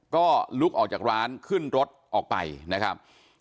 ก็ลุกออกจากร้านขึ้นรถออกไปนะครับ